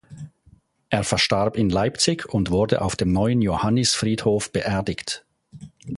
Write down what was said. Er verstarb in Leipzig und wurde auf dem Neuen Johannisfriedhof beerdigt.